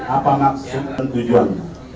apa maksud dan tujuan